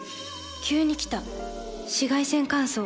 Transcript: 急に来た紫外線乾燥。